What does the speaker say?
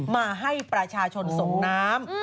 มาให้ประชาชนส่งน้ำ